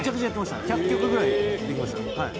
１００曲ぐらいできました。